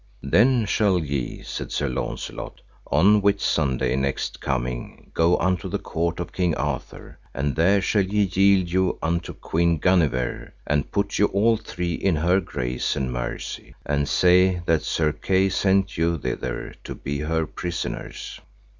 Then shall ye, said Sir Launcelot, on Whitsunday next coming, go unto the court of King Arthur, and there shall ye yield you unto Queen Guenever, and put you all three in her grace and mercy, and say that Sir Kay sent you thither to be her prisoners.